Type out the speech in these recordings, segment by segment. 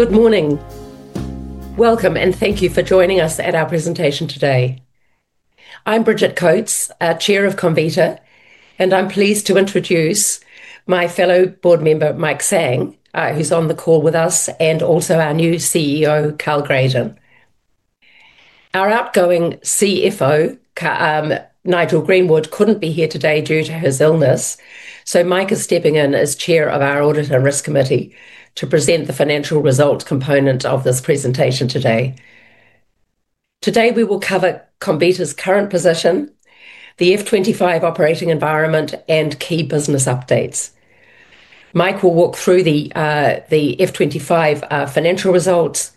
Good morning. Welcome and thank you for joining us at our presentation today. I'm Bridget Coates, Chair of Comvita, and I'm pleased to introduce my fellow Board Member, Mike Sang, who's on the call with us, and also our new CEO, Karl Gradon. Our outgoing CFO, Nigel Greenwood, couldn't be here today due to his illness, so Mike is stepping in as Chair of our Audit and Risk Committee to present the financial results component of this presentation today. Today we will cover Comvita's current position, the FY25 operating environment, and key business updates. Mike will walk through the FY25 financial results,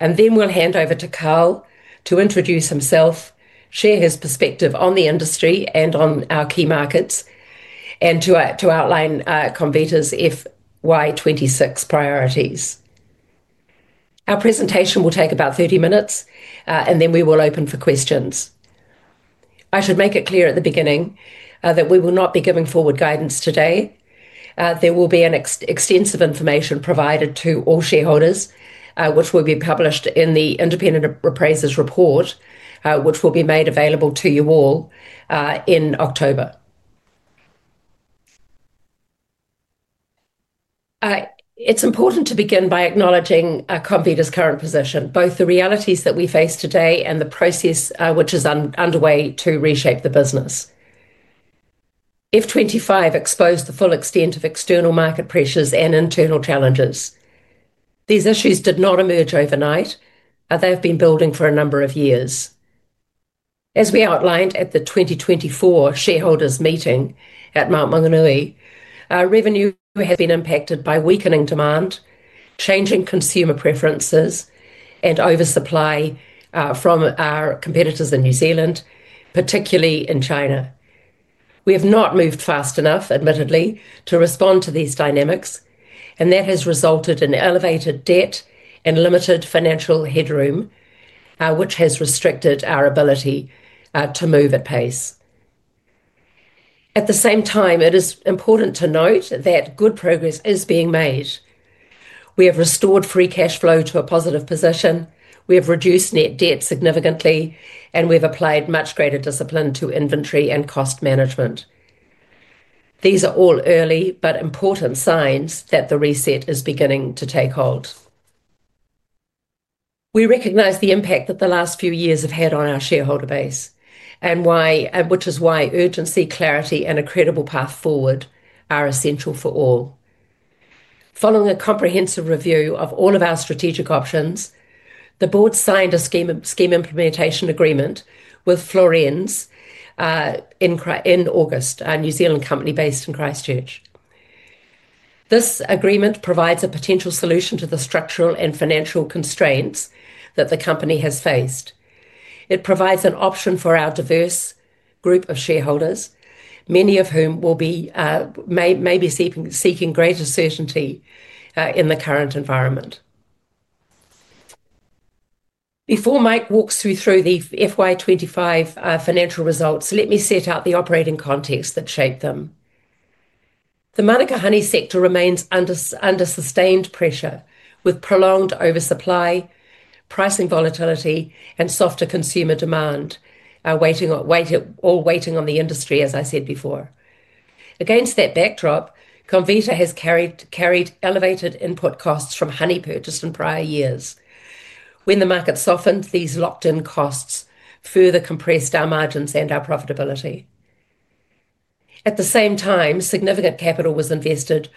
and then we'll hand over to Karl to introduce himself, share his perspective on the industry and on our key markets, and to outline Comvita Limited's FY26 priorities. Our presentation will take about 30 minutes, and then we will open for questions. I should make it clear at the beginning that we will not be giving forward guidance today. There will be extensive information provided to all shareholders, which will be published in the independent appraisers' report, which will be made available to you all in October. It's important to begin by acknowledging Comvita's current position, both the realities that we face today and the process which is underway to reshape the business. FY25 exposed the full extent of external market pressures and internal challenges. These issues did not emerge overnight; they have been building for a number of years. As we outlined at the 2024 shareholders' meeting at Mount Maunganui, revenue had been impacted by weakening demand, changing consumer preferences, and oversupply from our competitors in New Zealand, particularly in China. We have not moved fast enough, admittedly, to respond to these dynamics, and that has resulted in elevated debt and limited financial headroom, which has restricted our ability to move at pace. At the same time, it is important to note that good progress is being made. We have restored free cash flow to a positive position, we have reduced net debt significantly, and we have applied much greater discipline to inventory and cost management. These are all early but important signs that the reset is beginning to take hold. We recognize the impact that the last few years have had on our shareholder base, and which is why urgency, clarity, and a credible path forward are essential for all. Following a comprehensive review of all of our strategic options, the Board signed a Scheme Implementation Agreement with Florenz in August, a New Zealand company based in Christchurch. This agreement provides a potential solution to the structural and financial constraints that the company has faced. It provides an option for our diverse group of shareholders, many of whom may be seeking greater certainty in the current environment. Before Mike walks you through the FY25 financial results, let me set out the operating context that shaped them. The Mānuka Honey sector remains under sustained pressure, with prolonged oversupply, pricing volatility, and softer consumer demand all weighing on the industry, as I said before. Against that backdrop, Comvita has carried elevated input costs from honey purchased from prior years. When the market softened, these locked-in costs further compressed our margins and our profitability. At the same time, significant capital was invested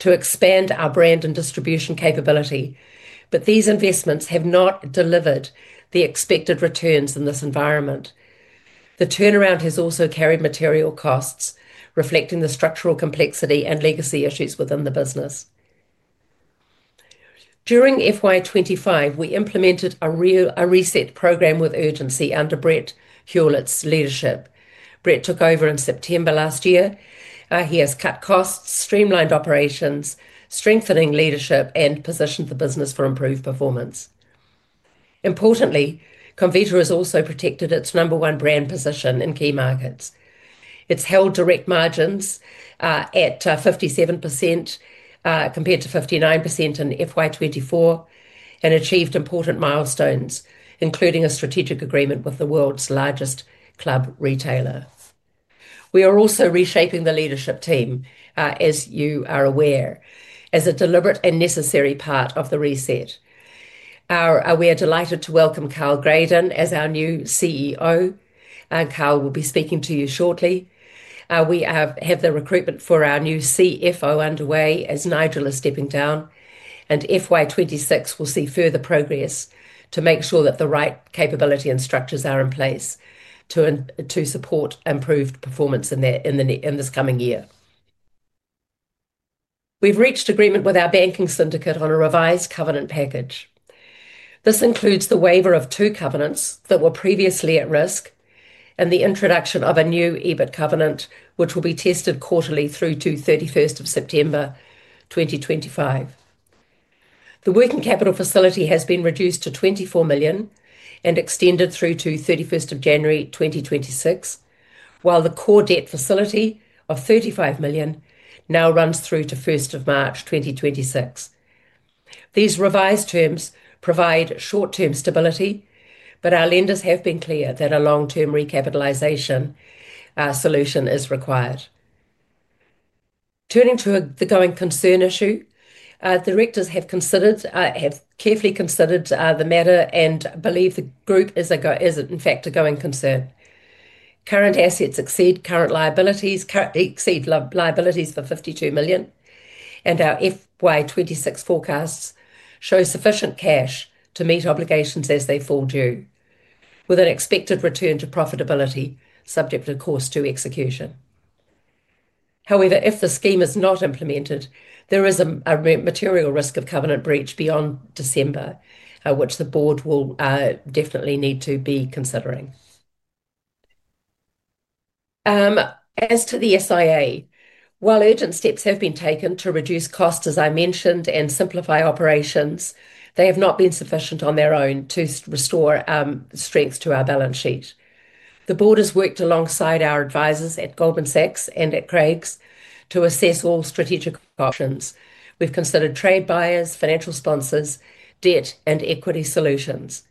to expand our brand and distribution capability, but these investments have not delivered the expected returns in this environment. The turnaround has also carried material costs, reflecting the structural complexity and legacy issues within the business. During FY25, we implemented a reset program with urgency under Brett Hewlett's leadership. Brett took over in September last year. He has cut costs, streamlined operations, strengthened leadership, and positioned the business for improved performance. Importantly, Comvita has also protected its number one brand position in key markets. It's held direct margins at 57% compared to 59% in FY24, and achieved important milestones, including a strategic agreement with the world's largest club retailer. We are also reshaping the leadership team, as you are aware, as a deliberate and necessary part of the reset. We are delighted to welcome Karl Gradon as our new CEO, and Karl will be speaking to you shortly. We have the recruitment for our new CFO underway as Nigel is stepping down, and FY26 will see further progress to make sure that the right capability and structures are in place to support improved performance in this coming year. We've reached agreement with our banking syndicate on a revised covenant package. This includes the waiver of two covenants that were previously at risk, and the introduction of a new EBIT covenant, which will be tested quarterly through to 31st of September 2025. The working capital facility has been reduced to $24 million and extended through to January 31, 2026, while the core debt facility of $35 million now runs through to March 1, 2026. These revised terms provide short-term stability, but our lenders have been clear that a long-term recapitalization solution is required. Turning to the going concern issue, Directors have carefully considered the matter and believe the group is, in fact, a going concern. Current assets exceed current liabilities by $52 million, and our FY26 forecast shows sufficient cash to meet obligations as they fall due, with an expected return to profitability subject to cost to execution. However, if the scheme is not implemented, there is a material risk of covenant breach beyond December, which the Board will definitely need to be considering. As to the SIA, while urgent steps have been taken to reduce costs, as I mentioned, and simplify operations, they have not been sufficient on their own to restore strength to our balance sheet. The Board has worked alongside our advisors at Goldman Sachs and at Craigs to assess all strategic options. We've considered trade buyers, financial sponsors, debt, and equity solutions.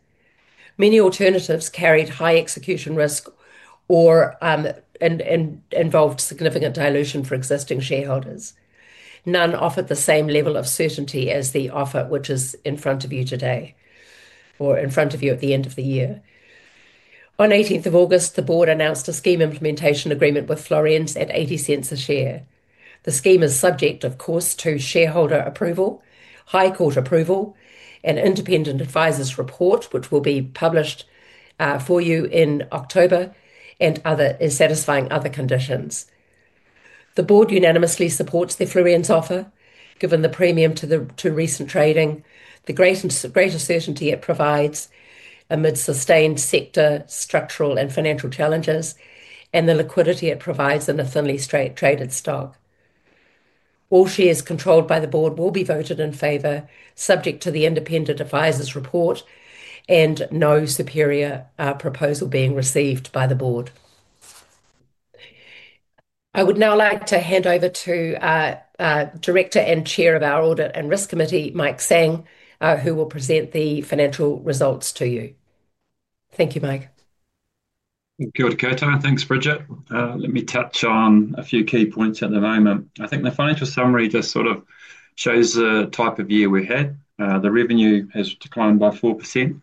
Many alternatives carried high execution risk or involved significant dilution for existing shareholders. None offered the same level of certainty as the offer which is in front of you today, or in front of you at the end of the year. On August 18, the Board announced a Scheme Implementation Agreement with Florenz at $0.80 a share. The scheme is subject, of course, to shareholder approval, High Court approval, an independent advisor's report, which will be published for you in October, and satisfying other conditions. The Board unanimously supports the Florenz offer, given the premium to recent trading, the greater certainty it provides amid sustained sector, structural, and financial challenges, and the liquidity it provides in a thinly traded stock. All shares controlled by the Board will be voted in favor, subject to the independent advisor's report, and no superior proposal being received by the Board. I would now like to hand over to our Director and Chair of our Audit and Risk Committee, Mike Sang, who will present the financial results to you. Thank you, Mike. Good, Ketan. Thanks, Bridget. Let me touch on a few key points at the moment. I think the financial summary just sort of shows the type of year we're in. The revenue has declined by 4%.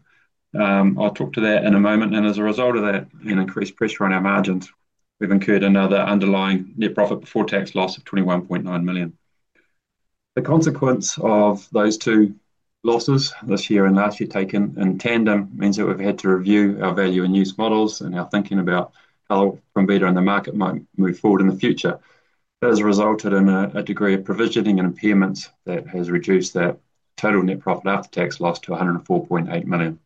I'll talk to that in a moment. As a result of that, an increased pressure on our margins. We've incurred another underlying net profit before tax loss of $21.9 million. The consequence of those two losses, this year and last year, taken in tandem, means that we've had to review our value and use models and our thinking about how Comvita and the market might move forward in the future. That has resulted in a degree of provisioning and impairments that has reduced that total net profit after tax loss to $104.8 million.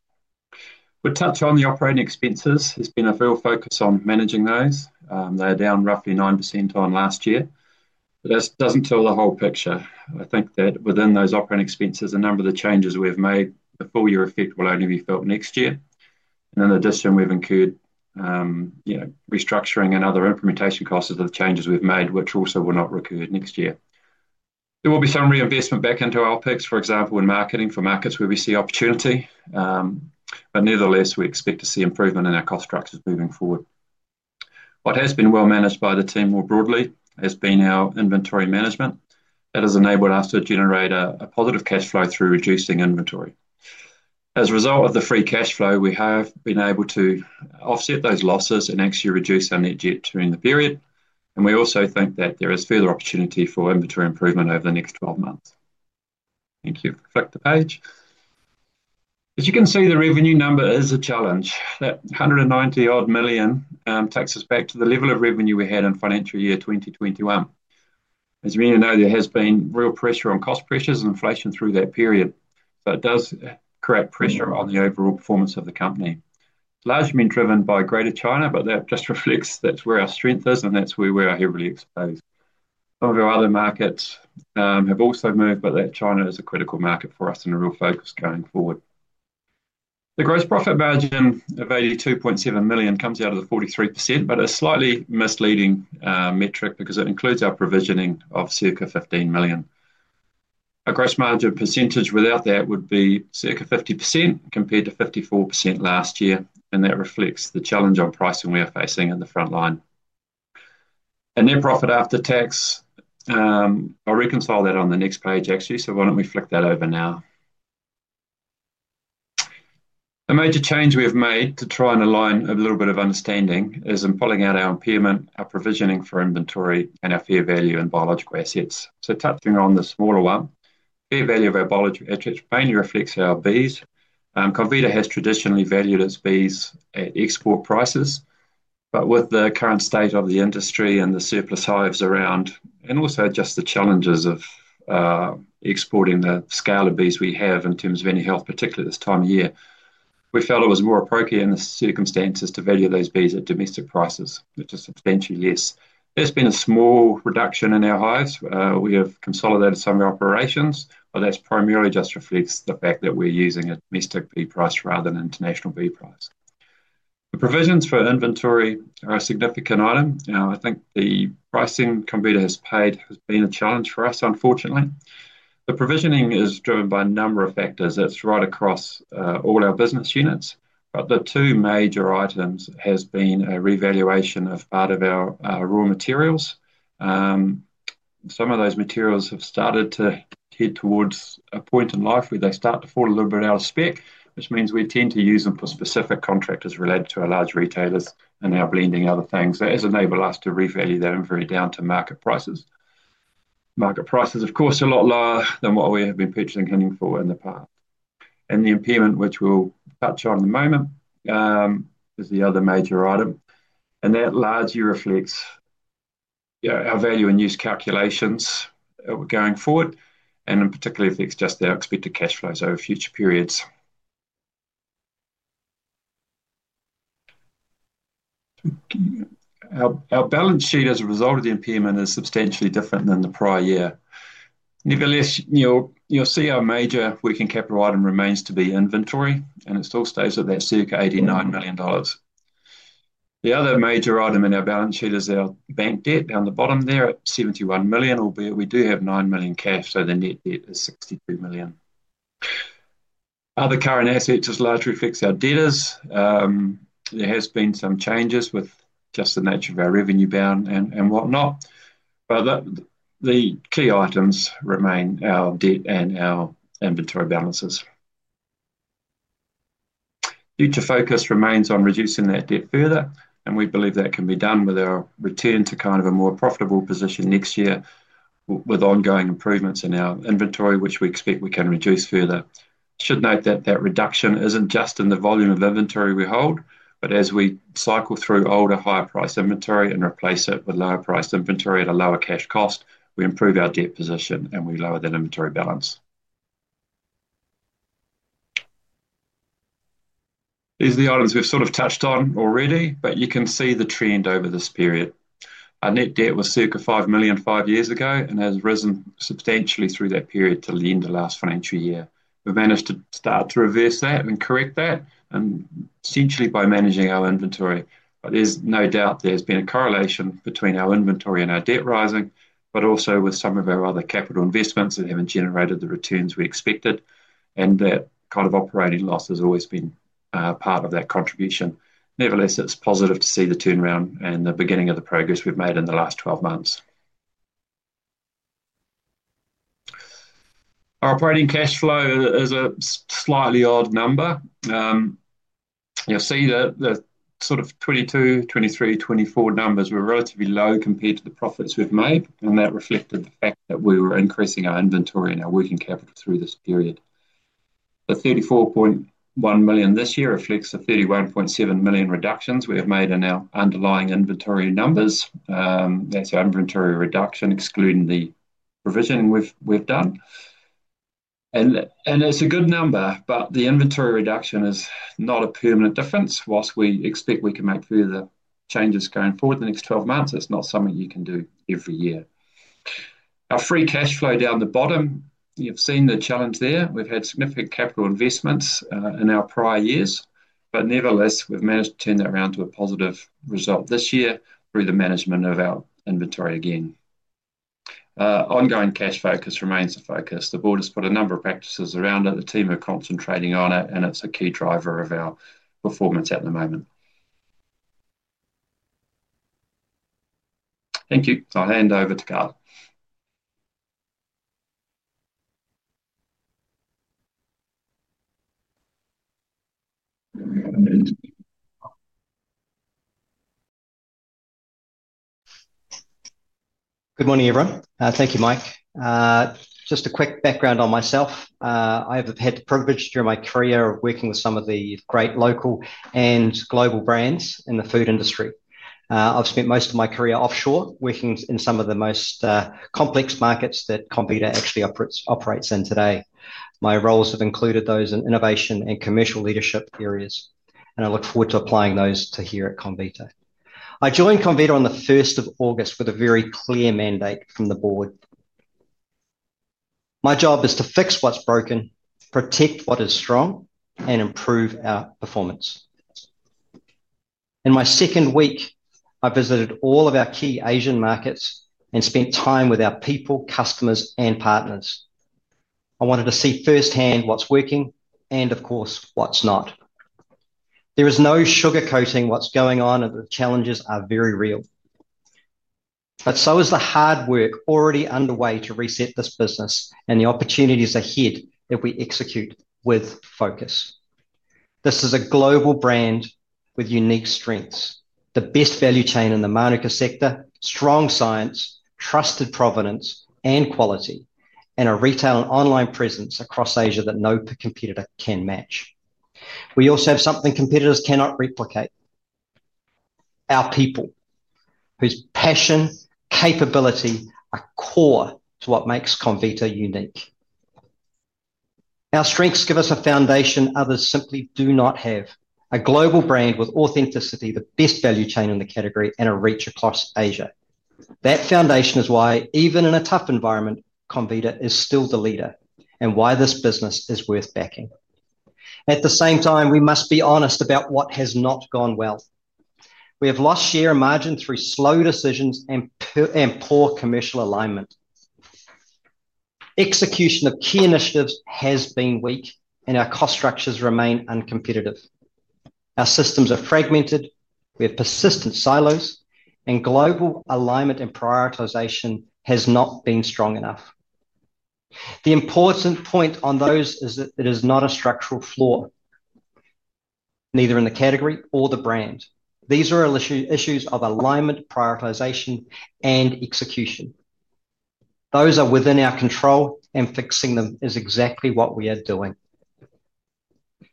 We'll touch on the operating expenses. There's been a real focus on managing those. They are down roughly 9% on last year. That doesn't tell the whole picture. I think that within those operating expenses, a number of the changes we've made, the full-year effect will only be felt next year. In addition, we've incurred restructuring and other implementation costs of the changes we've made, which also will not recur next year. There will be some reinvestment back into our picks, for example, in marketing for markets where we see opportunity. Nevertheless, we expect to see improvement in our cost structures moving forward. What has been well managed by the team more broadly has been our inventory management. That has enabled us to generate a positive cash flow through reducing inventory. As a result of the free cash flow, we have been able to offset those losses and actually reduce our net debt during the period. We also think that there is further opportunity for inventory improvement over the next 12 months. Thank you. Flip the page. As you can see, the revenue number is a challenge. That $190-odd million takes us back to the level of revenue we had in financial year 2021. As many of you know, there has been real pressure on cost pressures and inflation through that period. It does create pressure on the overall performance of the company. Largely been driven by Greater China, but that just reflects that's where our strength is and that's where we are heavily exposed. Some of our other markets have also moved, but that China is a critical market for us and a real focus going forward. The gross profit margin of $82.7 million comes out of the 43%, but it's a slightly misleading metric because it includes our provisioning of circa $15 million. A gross margin percentage without that would be circa 50% compared to 54% last year, and that reflects the challenge on pricing we are facing at the front line. Profit after tax, I'll reconcile that on the next page, actually, so why don't we flick that over now? The major change we have made to try and align a little bit of understanding is in pulling out our impairment, our provisioning for inventory, and our fair value in biological assets. Touching on the smaller one, fair value of our biological assets mainly reflects our bees. Comvita has traditionally valued its bees at export prices, but with the current state of the industry and the surplus hives around, and also just the challenges of exporting the scale of bees we have in terms of any health, particularly this time of year, we felt it was more appropriate in the circumstances to value these bees at domestic prices, which is substantial, yes. There's been a small reduction in our hives. We have consolidated some of our operations, but that primarily just reflects the fact that we're using a domestic bee price rather than an international bee price. The provisions for inventory are a significant item. I think the pricing Comvita has paid has been a challenge for us, unfortunately. The provisioning is driven by a number of factors. It's right across all our business units, but the two major items have been a revaluation of part of our raw materials. Some of those materials have started to head towards a point in life where they start to fall a little bit out of spec, which means we tend to use them for specific contractors related to our large retailers and now blending other things. That has enabled us to revalue that in very down-to-market prices. Market prices, of course, are a lot lower than what we have been purchasing hunting for in the past. The impairment, which we'll touch on in a moment, is the other major item. That largely reflects our value and use calculations going forward, and in particular, it affects just our expected cash flows over future periods. Our balance sheet as a result of the impairment is substantially different than the prior year. Nevertheless, you'll see our major working capital item remains to be inventory, and it still stays at that circa $89 million. The other major item in our balance sheet is our bank debt down the bottom there at $71 million, albeit we do have $9 million cash, so the net debt is $63 million. Other current assets have largely fixed our debtors. There have been some changes with just the nature of our revenue bound and whatnot, but the key items remain our debt and our inventory balances. Future focus remains on reducing that debt further, and we believe that can be done with our return to kind of a more profitable position next year, with ongoing improvements in our inventory, which we expect we can reduce further. I should note that that reduction isn't just in the volume of inventory we hold, but as we cycle through older higher price inventory and replace it with lower price inventory at a lower cash cost, we improve our debt position and we lower that inventory balance. These are the items we've sort of touched on already, but you can see the trend over this period. Our net debt was circa $5 million five years ago and has risen substantially through that period till the end of last financial year. We've managed to start to reverse that and correct that, and essentially by managing our inventory. There's no doubt there's been a correlation between our inventory and our debt rising, but also with some of our other capital investments that haven't generated the returns we expected, and that kind of operating loss has always been part of that contribution. Nevertheless, it's positive to see the turnaround and the beginning of the progress we've made in the last 12 months. Our operating cash flow is a slightly odd number. You'll see that the sort of 2022, 2023, 2024 numbers were relatively low compared to the profits we've made, and that reflected the fact that we were increasing our inventory and our working capital through this period. The $34.1 million this year reflects the $31.7 million reductions we have made in our underlying inventory numbers. That's our inventory reduction excluding the provisioning we've done. It's a good number, but the inventory reduction is not a permanent difference. Whilst we expect we can make further changes going forward in the next 12 months, it's not something you can do every year. Our free cash flow down the bottom, you've seen the challenge there. We've had significant capital investments in our prior years, but nevertheless, we've managed to turn that around to a positive result this year through the management of our inventory again. Ongoing cash focus remains the focus. The board has put a number of practices around it, the team are concentrating on it, and it's a key driver of our performance at the moment. Thank you. I'll hand over to Karl. Good morning, everyone. Thank you, Mike. Just a quick background on myself. I have had the privilege during my career of working with some of the great local and global brands in the food industry. I've spent most of my career offshore, working in some of the most complex markets that Comvita actually operates in today. My roles have included those in innovation and commercial leadership areas, and I look forward to applying those to here at Comvita. I joined Comvita on the 1st of August with a very clear mandate from the Board. My job is to fix what's broken, protect what is strong, and improve our performance. In my second week, I visited all of our key Asian markets and spent time with our people, customers, and partners. I wanted to see firsthand what's working and, of course, what's not. There is no sugarcoating what's going on, and the challenges are very real. The hard work already underway to reset this business and the opportunities ahead if we execute with focus are also very real. This is a global brand with unique strengths, the best value chain in the Mānuka sector, strong science, trusted provenance and quality, and a retail and online presence across Asia that no competitor can match. We also have something competitors cannot replicate: our people, whose passion and capability are core to what makes Comvita unique. Our strengths give us a foundation others simply do not have: a global brand with authenticity, the best value chain in the category, and a reach across Asia. That foundation is why, even in a tough environment, Comvita is still the leader and why this business is worth backing. At the same time, we must be honest about what has not gone well. We have lost share and margin through slow decisions and poor commercial alignment. Execution of key initiatives has been weak, and our cost structures remain uncompetitive. Our systems are fragmented, we have persistent silos, and global alignment and prioritization has not been strong enough. The important point on those is that it is not a structural flaw, neither in the category nor the brand. These are issues of alignment, prioritization, and execution. Those are within our control, and fixing them is exactly what we are doing.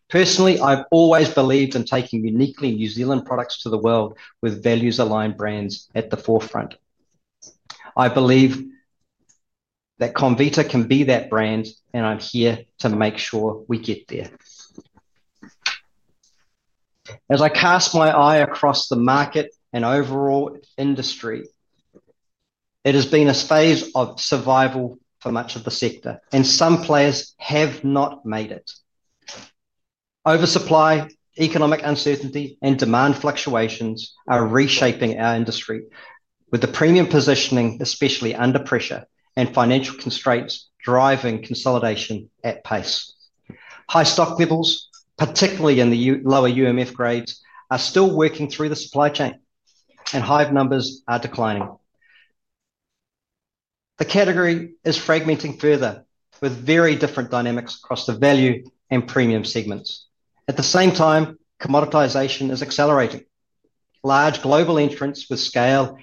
Personally, I've always believed in taking uniquely New Zealand products to the world with values-aligned brands at the forefront. I believe that Comvita can be that brand, and I'm here to make sure we get there. As I cast my eye across the market and overall industry, it has been a phase of survival for much of the sector, and some players have not made it. Oversupply, economic uncertainty, and demand fluctuations are reshaping our industry, with the premium positioning especially under pressure and financial constraints driving consolidation at pace. High stock levels, particularly in the lower UMF grades, are still working through the supply chain, and hive numbers are declining. The category is fragmenting further with very different dynamics across the value and premium segments. At the same time, commoditization is accelerating. Large global entrants with scale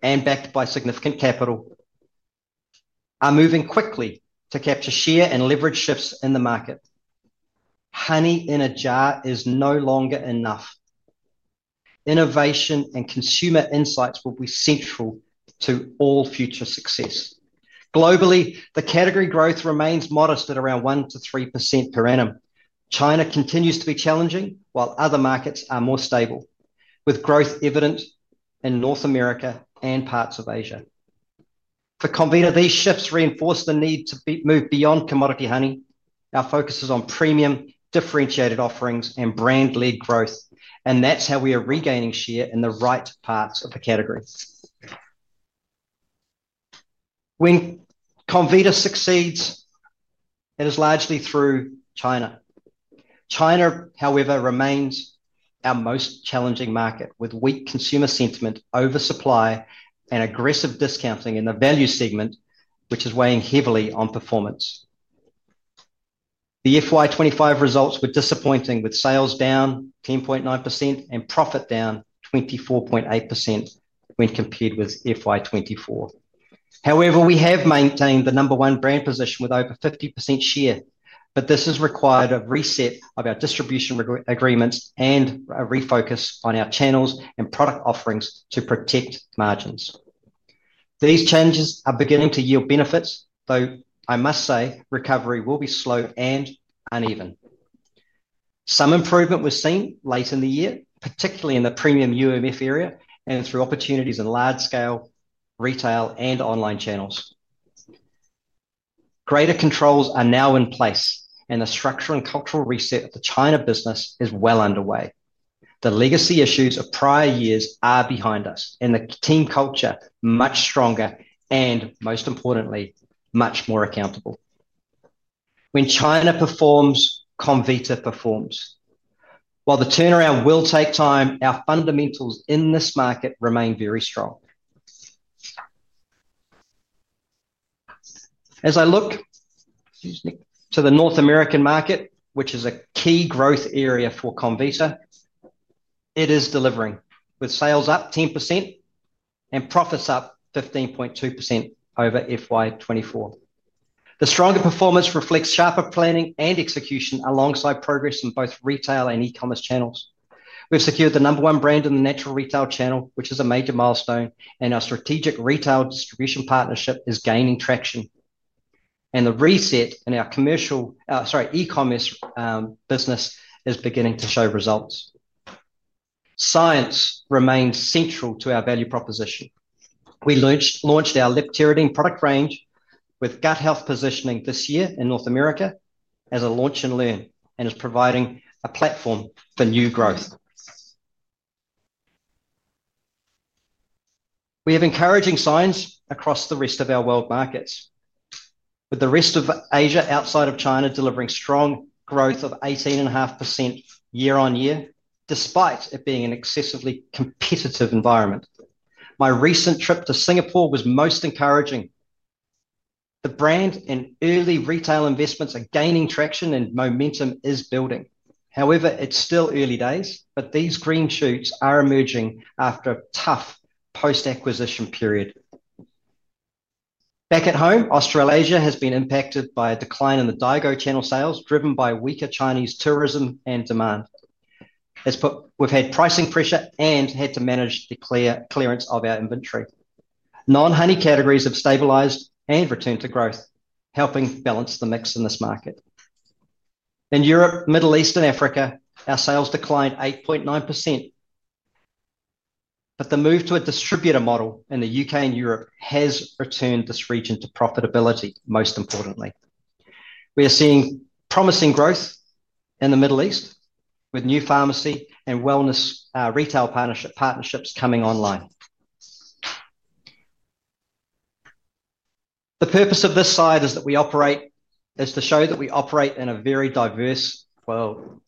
and backed by significant capital are moving quickly to capture share and leverage shifts in the market. Honey in a jar is no longer enough. Innovation and consumer insights will be central to all future success. Globally, the category growth remains modest at around 1-3% per annum. China continues to be challenging, while other markets are more stable, with growth evident in North America and parts of Asia. For Comvita, these shifts reinforce the need to move beyond commodity honey. Our focus is on premium, differentiated offerings, and brand-led growth, and that's how we are regaining share in the right parts of the category. When Comvita succeeds, it is largely through China. China, however, remains our most challenging market, with weak consumer sentiment, oversupply, and aggressive discounting in the value segment, which is weighing heavily on performance. The FY2025 results were disappointing, with sales down 10.9% and profit down 24.8% when compared with FY2024. However, we have maintained the number one brand position with over 50% share, but this has required a reset of our distribution agreements and a refocus on our channels and product offerings to protect margins. These changes are beginning to yield benefits, though I must say recovery will be slow and uneven. Some improvement was seen late in the year, particularly in the premium UMF area, and through opportunities in large-scale retail and online channels. Greater controls are now in place, and the structural and cultural reset of the China business is well underway. The legacy issues of prior years are behind us, and the team culture is much stronger and, most importantly, much more accountable. When China performs, Comvita performs. While the turnaround will take time, our fundamentals in this market remain very strong. As I look to the North American market, which is a key growth area for Comvita, it is delivering, with sales up 10% and profits up 15.2% over FY2024. The stronger performance reflects sharper planning and execution alongside progress in both retail and e-commerce channels. We've secured the number one brand in the natural retail channel, which is a major milestone, and our strategic retail distribution partnership is gaining traction. The reset in our e-commerce business is beginning to show results. Science remains central to our value proposition. We launched our lip-chariting product range with gut health positioning this year in North America as a launch and learn, and it's providing a platform for new growth. We have encouraging signs across the rest of our world markets, with the rest of Asia outside of China delivering strong growth of 18.5% year-on-year, despite it being an excessively competitive environment. My recent trip to Singapore was most encouraging. The brand and early retail investments are gaining traction, and momentum is building. However, it's still early days, but these green shoots are emerging after a tough post-acquisition period. Back at home, Australasia has been impacted by a decline in the Daigou channel sales, driven by weaker Chinese tourism and demand. We've had pricing pressure and had to manage the clearance of our inventory. Non-honey categories have stabilized and returned to growth, helping balance the mix in this market. In Europe, Middle East, and Africa, our sales declined 8.9%, but the move to a distributor model in the UK and Europe has returned this region to profitability, most importantly. We are seeing promising growth in the Middle East, with new pharmacy and wellness retail partnerships coming online. The purpose of this slide is to show that we operate in a very diverse world.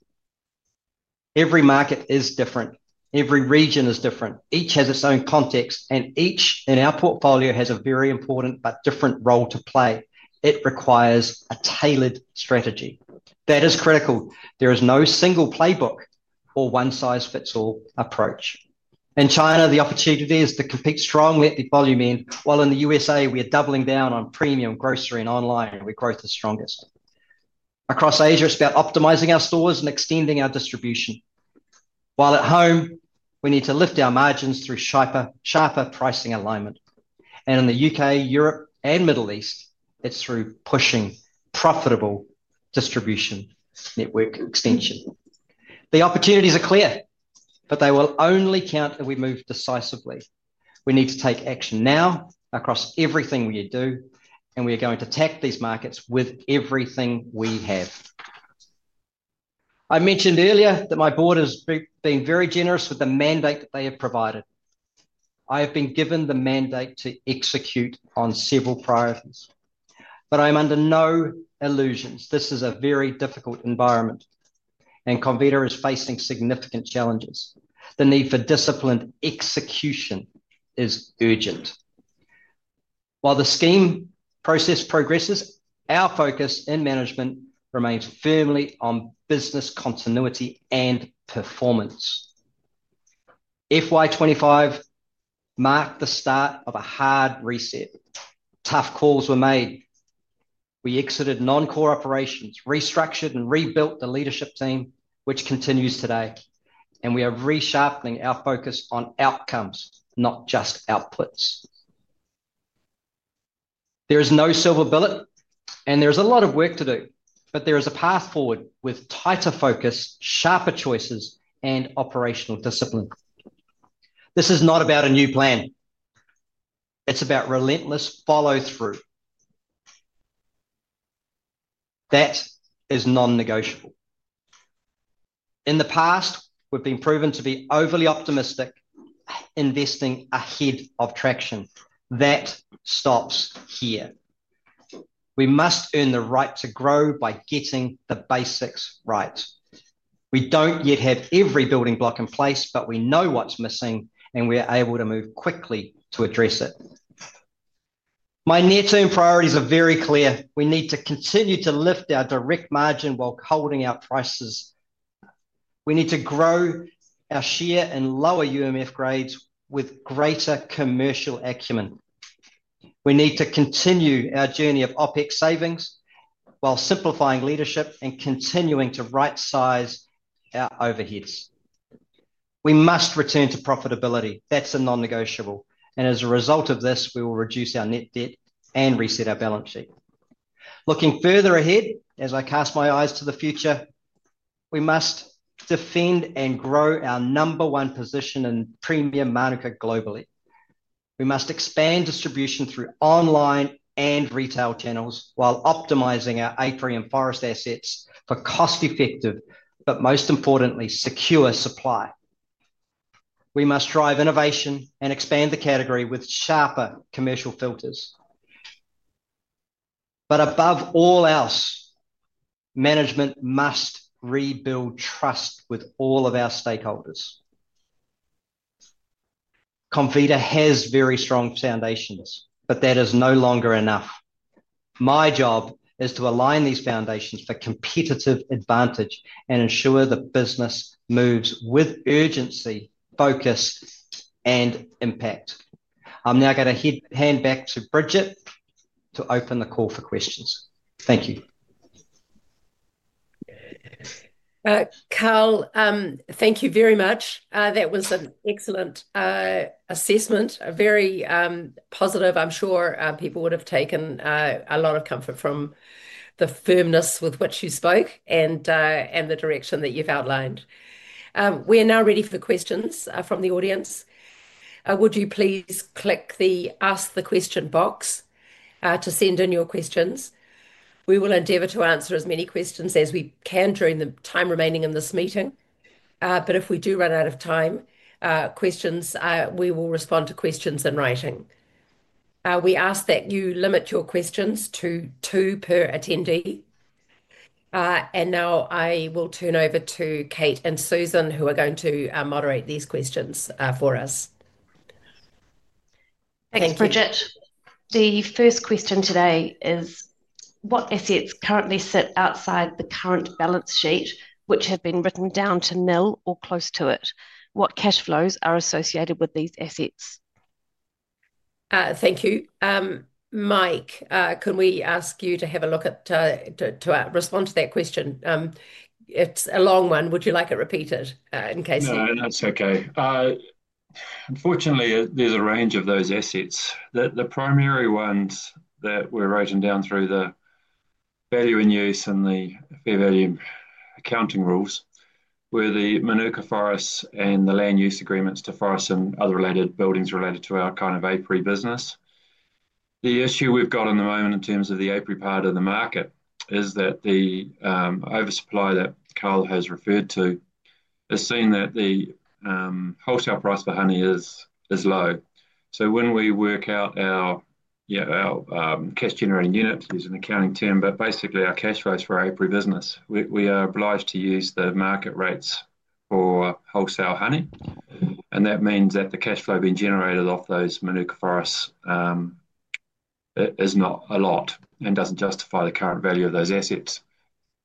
Every market is different. Every region is different. Each has its own context, and each in our portfolio has a very important but different role to play. It requires a tailored strategy. That is critical. There is no single playbook or one-size-fits-all approach. In China, the opportunity is to compete strongly at the volume end, while in the USA, we are doubling down on premium grocery and online, where growth is strongest. Across Asia, it's about optimizing our stores and extending our distribution. While at home, we need to lift our margins through sharper pricing alignment. In the UK, Europe, and Middle East, it's through pushing profitable distribution network extension. The opportunities are clear, but they will only count if we move decisively. We need to take action now across everything we do, and we are going to tackle these markets with everything we have. I mentioned earlier that my Board has been very generous with the mandate that they have provided. I have been given the mandate to execute on several priorities, but I'm under no illusions. This is a very difficult environment, and Comvita is facing significant challenges. The need for disciplined execution is urgent. While the scheme process progresses, our focus in management remains firmly on business continuity and performance. FY2025 marked the start of a hard reset. Tough calls were made. We exited non-core operations, restructured and rebuilt the leadership team, which continues today, and we are resharpening our focus on outcomes, not just outputs. There is no silver bullet, and there is a lot of work to do, but there is a path forward with tighter focus, sharper choices, and operational discipline. This is not about a new plan. It's about relentless follow-through. That is non-negotiable. In the past, we've been proven to be overly optimistic, investing ahead of traction. That stops here. We must earn the right to grow by getting the basics right. We don't yet have every building block in place, but we know what's missing, and we are able to move quickly to address it. My near-term priorities are very clear. We need to continue to lift our direct margin while holding our prices. We need to grow our share in lower UMF grades with greater commercial acumen. We need to continue our journey of OpEx savings while simplifying leadership and continuing to right-size our overheads. We must return to profitability. That's a non-negotiable. As a result of this, we will reduce our net debt and reset our balance sheet. Looking further ahead, as I cast my eyes to the future, we must defend and grow our number one position in premium Mānuka globally. We must expand distribution through online and retail channels while optimizing our apiary and forest assets for cost-effective, but most importantly, secure supply. We must drive innovation and expand the category with sharper commercial filters. Above all else, management must rebuild trust with all of our stakeholders. Comvita has very strong foundations, but that is no longer enough. My job is to align these foundations for competitive advantage and ensure the business moves with urgency, focus, and impact. I'm now going to hand back to Bridget to open the call for questions. Thank you. Karl, thank you very much. That was an excellent assessment, very positive. I'm sure people would have taken a lot of comfort from the firmness with which you spoke and the direction that you've outlined. We are now ready for the questions from the audience. Would you please click the Ask the Question box to send in your questions? We will endeavor to answer as many questions as we can during the time remaining in this meeting. If we do run out of time, we will respond to questions in writing. We ask that you limit your questions to two per attendee. I will now turn over to Kate and Susan, who are going to moderate these questions for us. Thanks, Bridget. The first question today is, what assets currently sit outside the current balance sheet, which have been written down to nil or close to it? What cash flows are associated with these assets? Thank you. Mike, can we ask you to have a look at, to respond to that question? It's a long one. Would you like it repeated in case? No, that's okay. Unfortunately, there's a range of those assets. The primary ones that were written down through the value in use and the fair value accounting rules were the Mānuka forests and the land use agreements to forests and other related buildings related to our kind of apiary business. The issue we've got at the moment in terms of the apiary part of the market is that the oversupply that Karl has referred to, it's seen that the wholesale price for honey is low. When we work out our cash-generating units, there's an accounting term, but basically our cash rates for our apiary business, we are obliged to use the market rates for wholesale honey. That means that the cash flow being generated off those Mānuka forests is not a lot and doesn't justify the current value of those assets.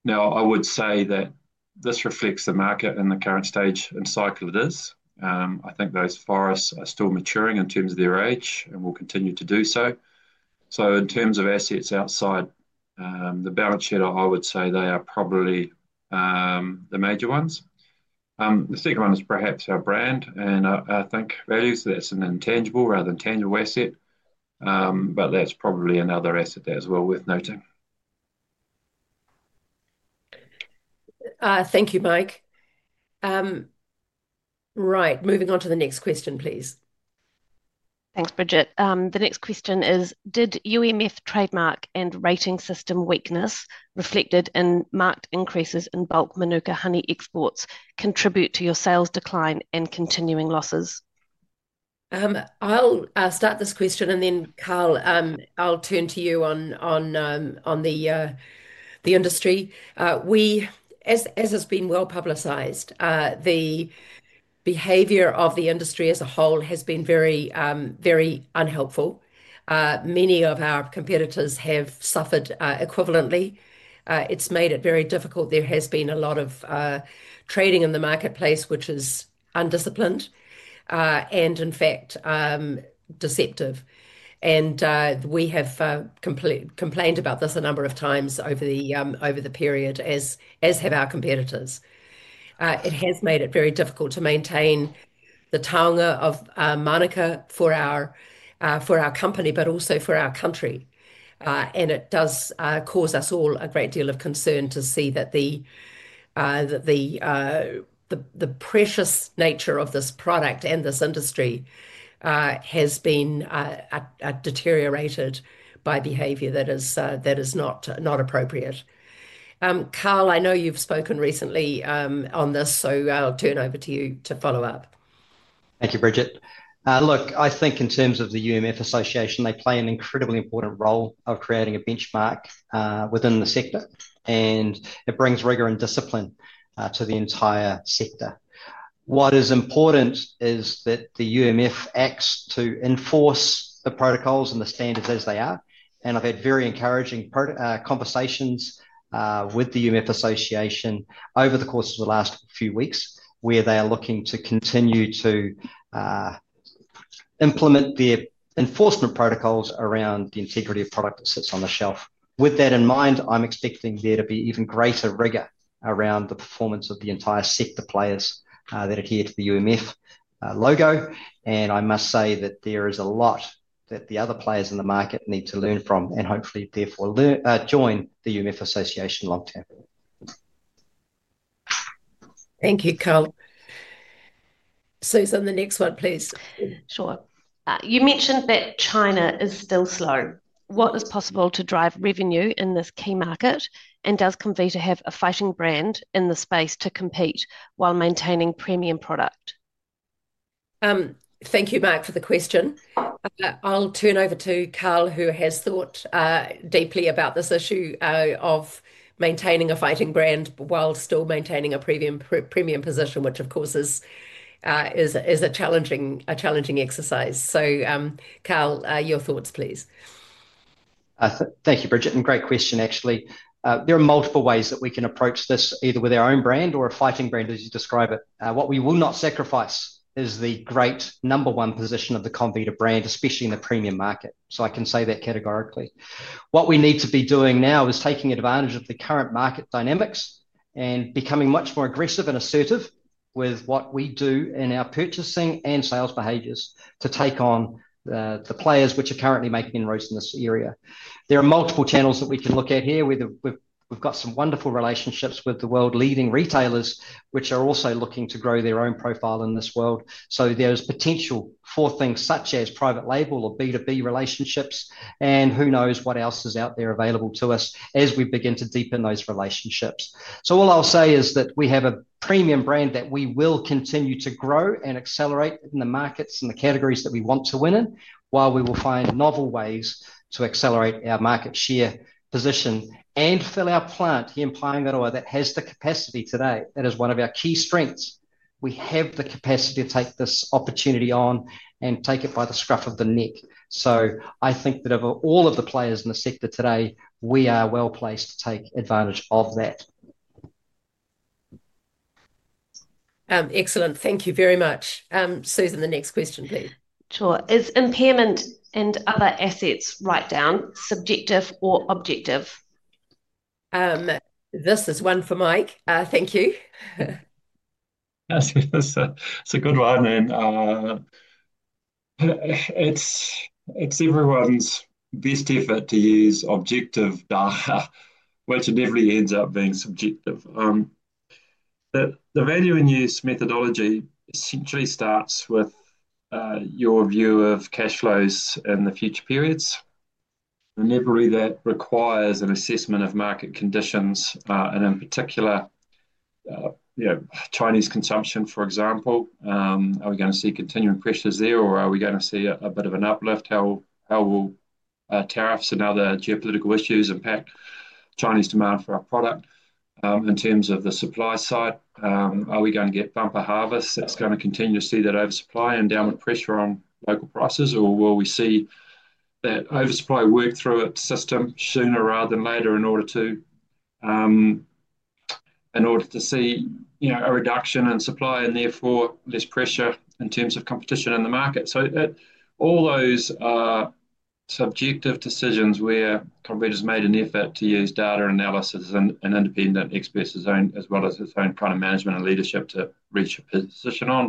I would say that this reflects the market in the current stage and cycle it is. I think those forests are still maturing in terms of their age and will continue to do so. In terms of assets outside the balance sheet, I would say they are probably the major ones. The second one is perhaps our brand and I think values. That's an intangible rather than tangible asset, but that's probably another asset that's well worth noting. Thank you, Mike. Right, moving on to the next question, please. Thanks, Bridget. The next question is, did UMF trademark and rating system weakness reflected in marked increases in bulk Mānuka Honey exports contribute to your sales decline and continuing losses? I'll start this question and then, Karl, I'll turn to you on the industry. As has been well publicized, the behavior of the industry as a whole has been very, very unhelpful. Many of our competitors have suffered equivalently. It's made it very difficult. There has been a lot of trading in the marketplace, which is undisciplined and, in fact, deceptive. We have complained about this a number of times over the period, as have our competitors. It has made it very difficult to maintain the taonga of Mānuka for our company, but also for our country. It does cause us all a great deal of concern to see that the precious nature of this product and this industry has been deteriorated by behavior that is not appropriate. Karl, I know you've spoken recently on this, so I'll turn over to you to follow up. Thank you, Bridget. I think in terms of the UMF association, they play an incredibly important role of creating a benchmark within the sector, and it brings rigor and discipline to the entire sector. What is important is that the UMF acts to enforce the protocols and the standards as they are. I've had very encouraging conversations with the UMF association over the course of the last few weeks, where they are looking to continue to implement their enforcement protocols around the integrity of product that sits on the shelf. With that in mind, I'm expecting there to be even greater rigor around the performance of the entire sector players that adhere to the UMF logo. I must say that there is a lot that the other players in the market need to learn from and hopefully therefore join the UMF association long term. Thank you, Karl. Susan, the next one, please. Sure. You mentioned that China is still slow. What is possible to drive revenue in this key market, and does Comvita have a fighting brand in the space to compete while maintaining premium product? Thank you, Mike, for the question. I'll turn over to Karl, who has thought deeply about this issue of maintaining a fighting brand while still maintaining a premium position, which of course is a challenging exercise. Karl, your thoughts, please. Thank you, Bridget, and great question, actually. There are multiple ways that we can approach this, either with our own brand or a fighting brand, as you describe it. What we will not sacrifice is the great number one position of the Comvita brand, especially in the premium market. I can say that categorically. What we need to be doing now is taking advantage of the current market dynamics and becoming much more aggressive and assertive with what we do in our purchasing and sales behaviors to take on the players which are currently making inroads in this area. There are multiple channels that we can look at here. We've got some wonderful relationships with the world-leading retailers, which are also looking to grow their own profile in this world. There is potential for things such as private label or B2B relationships, and who knows what else is out there available to us as we begin to deepen those relationships. All I'll say is that we have a premium brand that we will continue to grow and accelerate in the markets and the categories that we want to win in, while we will find novel ways to accelerate our market share position and fill our plant, implying that all has the capacity today. It is one of our key strengths. We have the capacity to take this opportunity on and take it by the scruff of the neck. I think that of all of the players in the sector today, we are well placed to take advantage of that. Excellent. Thank you very much. Susan, the next question, please. Sure. Is impairment and other assets write down subjective or objective? This is one for Mike. Thank you. It's a good one, and it's everyone's best effort to use objective data, which inevitably ends up being subjective. The value and use methodology truly starts with your view of cash flows and the future periods. Inevitably, that requires an assessment of market conditions, and in particular, Chinese consumption, for example. Are we going to see continuing pressures there, or are we going to see a bit of an uplift? How will tariffs and other geopolitical issues impact Chinese demand for our product? In terms of the supply side, are we going to get bumper harvests that's going to continue to see that oversupply and downward pressure on local prices, or will we see that oversupply work through its system sooner rather than later in order to see a reduction in supply and therefore less pressure in terms of competition in the market? All those are subjective decisions where Comvita has made an effort to use data analysis and independent experts as well as its own product management and leadership to reach a position on.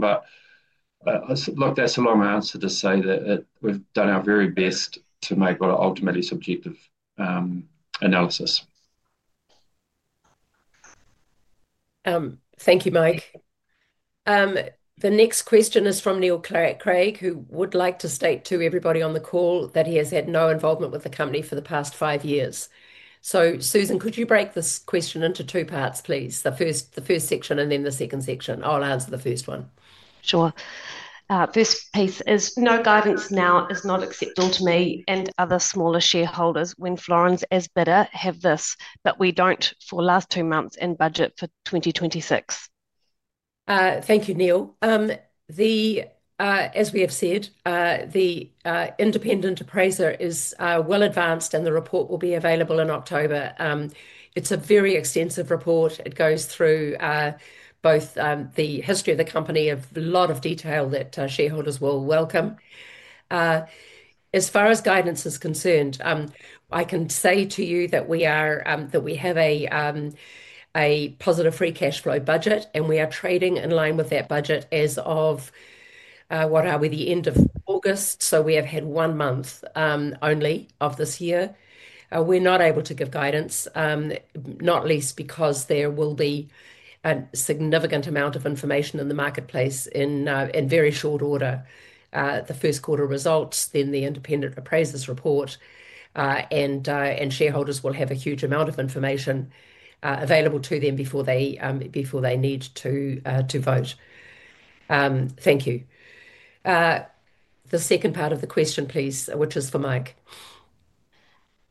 That's a long answer to say that we've done our very best to make what are ultimately subjective analysis. Thank you, Mike. The next question is from Neil Craig, who would like to state to everybody on the call that he has had no involvement with the company for the past five years. Susan, could you break this question into two parts, please? The first section and then the second section. I'll answer the first one. Sure. First piece is, no guidance now is not acceptable to me and other smaller shareholders when Florenz as bidder have this, but we don't for the last two months in budget for 2026. Thank you, Neil. As we have said, the independent appraiser is well advanced and the report will be available in October. It's a very extensive report. It goes through both the history of the company and a lot of detail that shareholders will welcome. As far as guidance is concerned, I can say to you that we have a positive free cash flow budget and we are trading in line with that budget as of, what are we, the end of August. We have had one month only of this year. We're not able to give guidance, not least because there will be a significant amount of information in the marketplace in very short order. The first quarter results, then the independent appraiser's report, and shareholders will have a huge amount of information available to them before they need to vote. Thank you. The second part of the question, please, which is for Mike.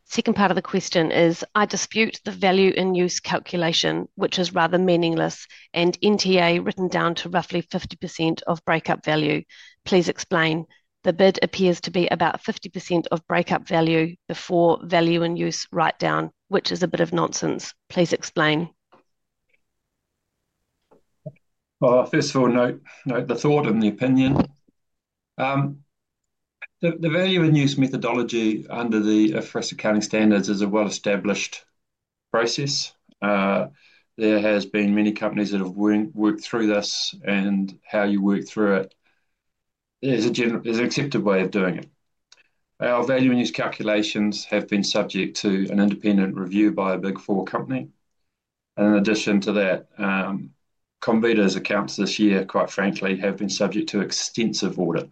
Second part of the question is, I dispute the value and use calculation, which is rather meaningless, and NTA written down to roughly 50% of breakup value. Please explain. The bid appears to be about 50% of breakup value before value and use write down, which is a bit of nonsense. Please explain. First of all, note the thought and the opinion. The value and use methodology under the FRES accounting standards is a well-established process. There have been many companies that have worked through this, and how you work through it is an accepted way of doing it. Our value and use calculations have been subject to an independent review by a Big Four company. In addition to that, Comvita's accounts this year, quite frankly, have been subject to extensive audit.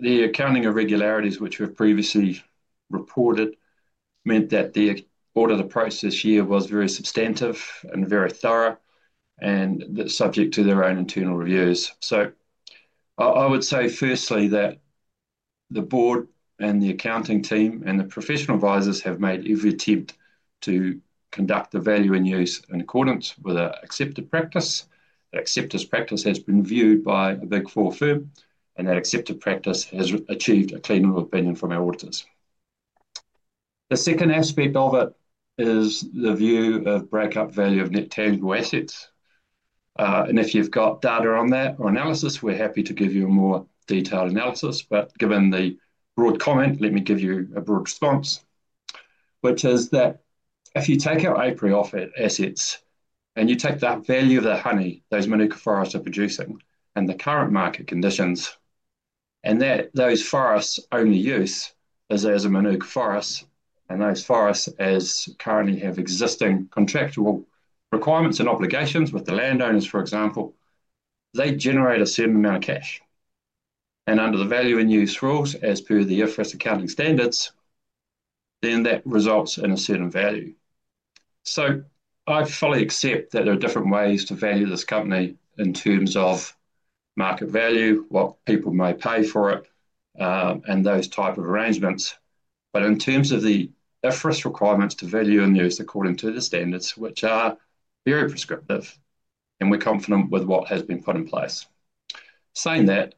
The accounting irregularities which were previously reported meant that the audit approach this year was very substantive and very thorough and subject to their own internal reviews. I would say firstly that the Board and the accounting team and the professional advisors have made every attempt to conduct the value and use in accordance with our accepted practice. Accepted practice has been viewed by the Big Four firm, and our accepted practice has achieved a clean audit opinion from our auditors. The second aspect of it is the view of breakup value of net tangible assets. If you've got data on that or analysis, we're happy to give you a more detailed analysis. Given the broad comment, let me give you a broad response, which is that if you take out apiary assets and you take the value of the honey those Mānuka forests are producing under current market conditions, and those forests only use as there's a Mānuka forest and those forests currently have existing contractual requirements and obligations with the landowners, for example, they generate a certain amount of cash. Under the value and use rules, as per the FRES accounting standards, that results in a certain value. I fully accept that there are different ways to value this company in terms of market value, what people may pay for it, and those types of arrangements. In terms of the FRES requirements to value and use according to the standards, which are very prescriptive, we're confident with what has been put in place. Saying that,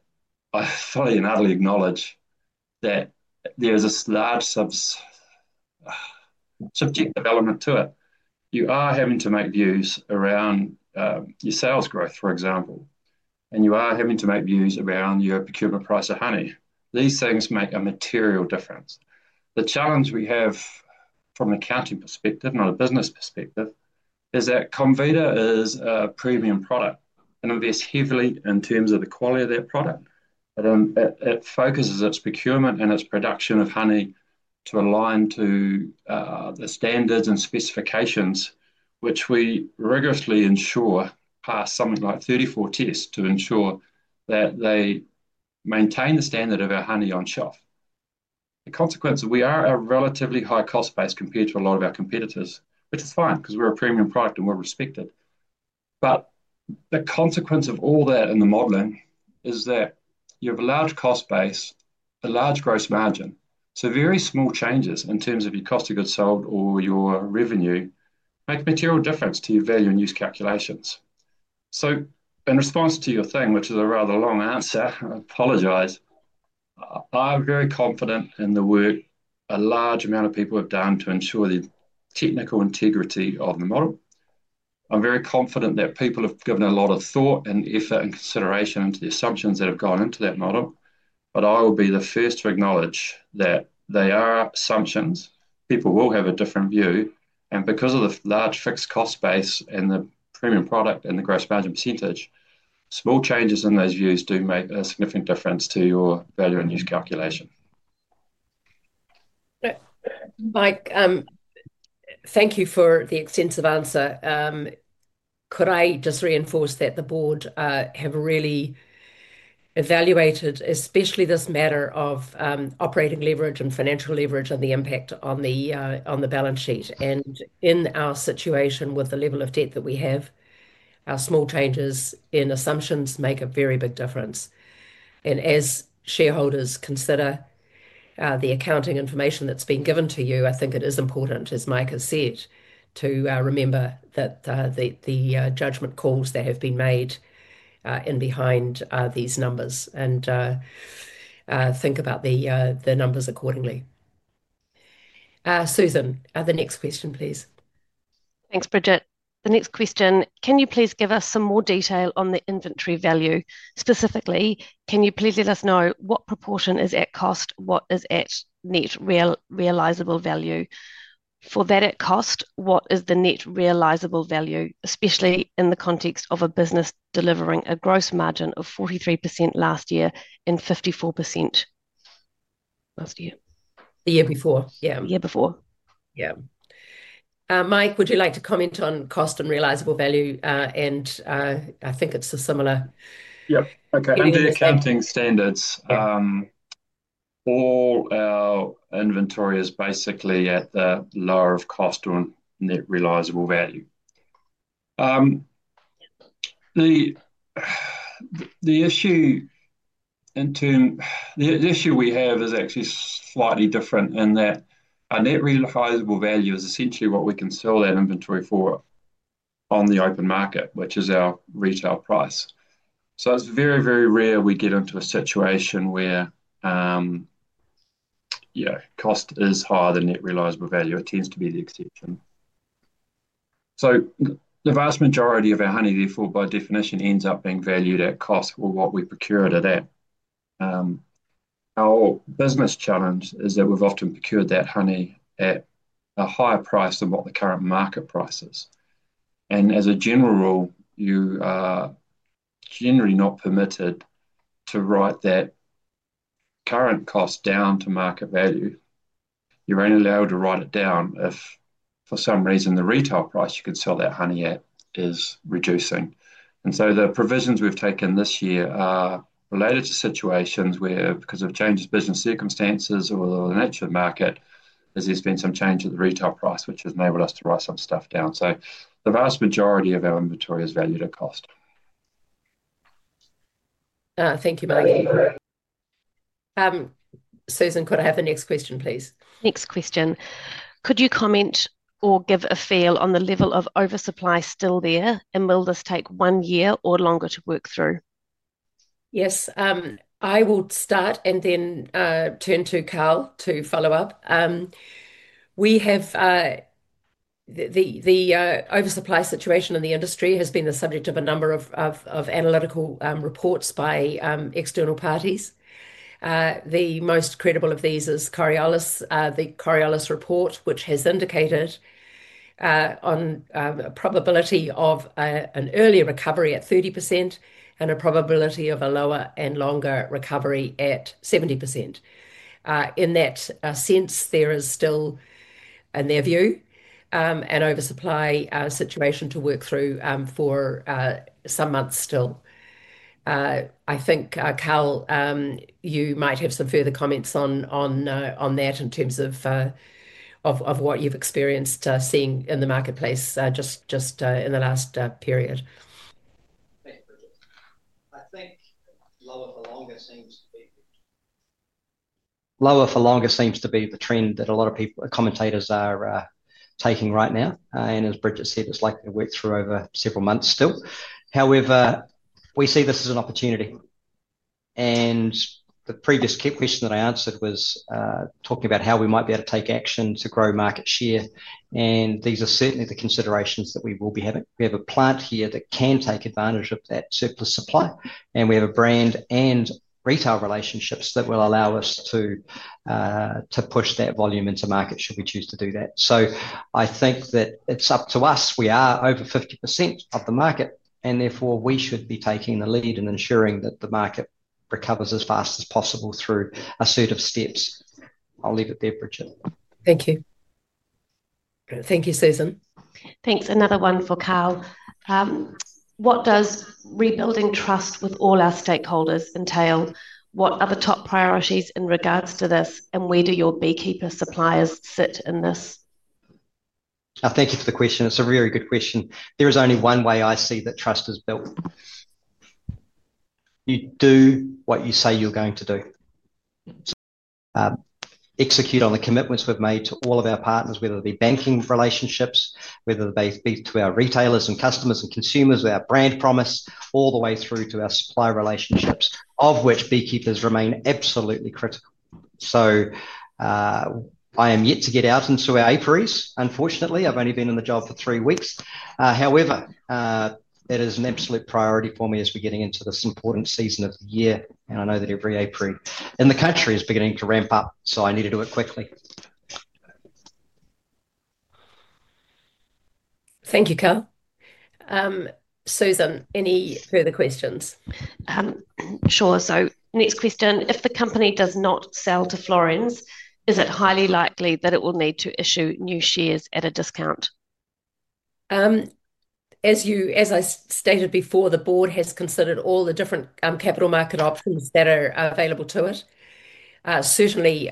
I fully and utterly acknowledge that there's a large subjective element to it. You are having to make views around your sales growth, for example, and you are having to make views around your procurement price of honey. These things make a material difference. The challenge we have from an accounting perspective, not a business perspective, is that Comvita is a premium product and invests heavily in terms of the quality of their product. It focuses its procurement and its production of honey to align to the standards and specifications, which we rigorously ensure pass something like 34 tests to ensure that they maintain the standard of our honey on shelf. The consequence is we are a relatively high cost base compared to a lot of our competitors, which is fine because we're a premium product and we're respected. The consequence of all that in the modelling is that you have a large cost base, a large gross margin. Very small changes in terms of your cost of goods sold or your revenue make a material difference to your value and use calculations. In response to your thing, which is a rather long answer, I apologize. I'm very confident in the work a large amount of people have done to ensure the technical integrity of the model. I'm very confident that people have given a lot of thought and effort and consideration into the assumptions that have gone into that model. I will be the first to acknowledge that they are assumptions. People will have a different view. Because of the large fixed cost base and the premium product and the gross margin percentage, small changes in those views do make a significant difference to your value and use calculation. Mike, thank you for the extensive answer. Could I just reinforce that the Board have really evaluated, especially this matter of operating leverage and financial leverage and the impact on the balance sheet? In our situation with the level of debt that we have, small changes in assumptions make a very big difference. As shareholders consider the accounting information that's been given to you, I think it is important, as Mike has said, to remember that the judgment calls that have been made behind these numbers and think about the numbers accordingly. Susan, the next question, please. Thanks, Bridget. The next question, can you please give us some more detail on the inventory value? Specifically, can you please let us know what proportion is at cost, what is at net realisable value? For that at cost, what is the net realisable value, especially in the context of a business delivering a gross margin of 43% last year and 54% last year? The year before, yeah. The year before. Yeah. Mike, would you like to comment on cost and realisable value? I think it's a similar. Yeah. Okay. Under the accounting standards, all our inventory is basically at the lower of cost or net realisable value. The issue we have is actually slightly different in that our net realisable value is essentially what we can sell that inventory for on the open market, which is our retail price. It is very, very rare we get into a situation where cost is higher than net realisable value. It tends to be the exception. The vast majority of our honey, therefore, by definition, ends up being valued at cost or what we procured it at. Our business challenge is that we've often procured that honey at a higher price than what the current market price is. As a general rule, you are generally not permitted to write that current cost down to market value. You're only allowed to write it down if, for some reason, the retail price you could sell that honey at is reducing. The provisions we've taken this year are related to situations where, because of changes in business circumstances or the nature of the market, there's been some change to the retail price, which has enabled us to write some stuff down. The vast majority of our inventory is valued at cost. Thank you, Mike. Susan, could I have the next question, please? Next question. Could you comment or give a feel on the level of oversupply still there, and will this take one year or longer to work through? Yes. I will start and then turn to Karl to follow up. We have the oversupply situation in the industry, which has been the subject of a number of analytical reports by external parties. The most credible of these is Coriolis, the Coriolis report, which has indicated a probability of an early recovery at 30% and a probability of a lower and longer recovery at 70%. In that sense, there is still, in their view, an oversupply situation to work through for some months still. I think, Karl, you might have some further comments on that in terms of what you've experienced seeing in the marketplace just in the last period. Thanks, Bridget. I think lower for longer seems to be the trend that a lot of people, commentators, are taking right now. As Bridget said, it's likely to work through over several months still. However, we see this as an opportunity. The previous question that I answered was talking about how we might be able to take action to grow market share. These are certainly the considerations that we will be having. We have a plant here that can take advantage of that surplus supply, and we have a brand and retail relationships that will allow us to push that volume into market should we choose to do that. I think that it's up to us. We are over 50% of the market, and therefore, we should be taking the lead and ensuring that the market recovers as fast as possible through a suite of steps. I'll leave it there, Bridget. Thank you. Thank you, Susan. Thanks. Another one for Karl. What does rebuilding trust with all our stakeholders entail? What are the top priorities in regards to this, and where do your beekeeper suppliers sit in this? Thank you for the question. It's a really good question. There is only one way I see that trust is built. You do what you say you're going to do. Execute on the commitments we've made to all of our partners, whether it be banking relationships, whether they be to our retailers and customers and consumers with our brand promise, all the way through to our supply relationships, of which beekeepers remain absolutely critical. I am yet to get out into our apiaries, unfortunately. I've only been in the job for three weeks. However, it is an absolute priority for me as we're getting into this important season of the year. I know that every apiary in the country is beginning to ramp up, so I need to do it quickly. Thank you, Karl. Susan, any further questions? Sure. Next question, if the company does not sell to Florenz Limited, is it highly likely that it will need to issue new shares at a discount? As I stated before, the Board has considered all the different capital market options that are available to it. Certainly,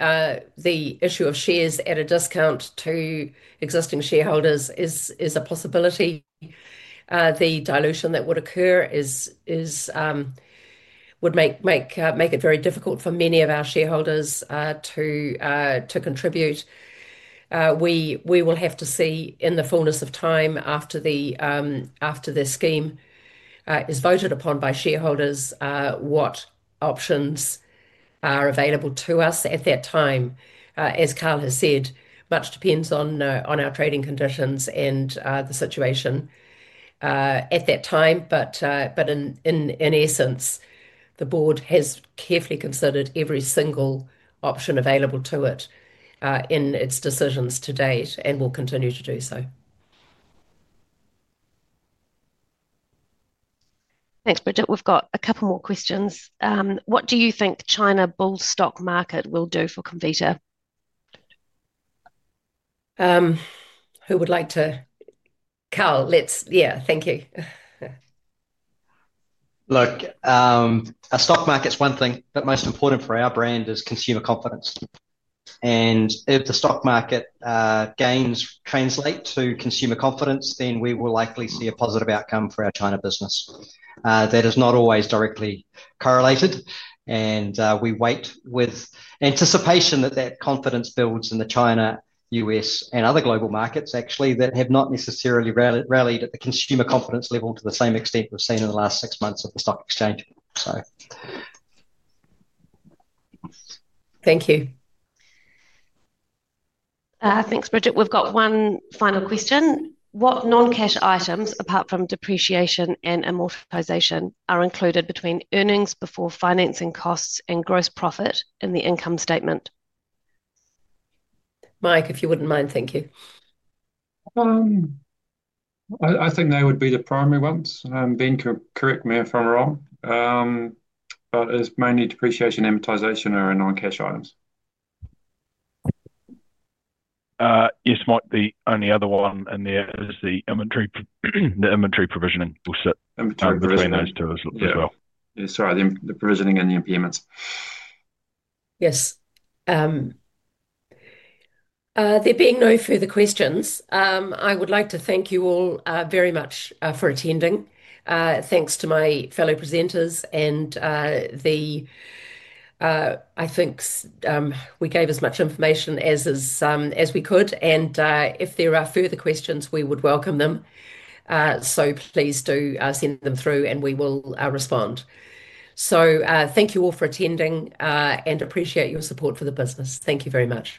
the issue of shares at a discount to existing shareholders is a possibility. The dilution that would occur would make it very difficult for many of our shareholders to contribute. We will have to see in the fullness of time after this Scheme is voted upon by shareholders what options are available to us at that time. As Karl has said, much depends on our trading conditions and the situation at that time. In essence, the Board has carefully considered every single option available to it in its decisions to date and will continue to do so. Thanks, Bridget. We've got a couple more questions. What do you think China bull stock market will do for Comvita? Who would like to? Karl, let's, yeah, thank you. Look, our stock market is one thing, but most important for our brand is consumer confidence. If the stock market gains translate to consumer confidence, then we will likely see a positive outcome for our China business. That is not always directly correlated. We wait with anticipation that that confidence builds in the China, U.S., and other global markets, actually, that have not necessarily rallied at the consumer confidence level to the same extent we've seen in the last six months at the stock exchange. Thank you. Thanks, Bridget. We've got one final question. What non-cash items, apart from depreciation and amortization, are included between earnings before financing costs and gross profit in the income statement? Mike, if you wouldn't mind, thank you. I think they would be the primary ones. Ben, can correct me if I'm wrong. It's mainly depreciation, amortization, or non-cash items. Yes, might be the only other one, and the inventory provisioning will set. Sorry, the provisioning and the impairments. Yes. There being no further questions, I would like to thank you all very much for attending. Thanks to my fellow presenters. I think we gave as much information as we could. If there are further questions, we would welcome them. Please do send them through and we will respond. Thank you all for attending and appreciate your support for the business. Thank you very much.